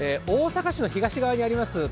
大阪市の東側にあります